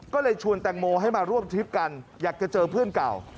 ก็เลยชวนแตงโมให้มาร่วมทริปกันอยากจะเจอเพื่อนเก่า